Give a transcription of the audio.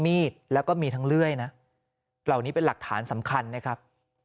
มีดแล้วก็มีทั้งเลื่อยนะเหล่านี้เป็นหลักฐานสำคัญนะครับ